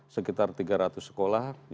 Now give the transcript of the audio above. sekitar tiga ratus sekolah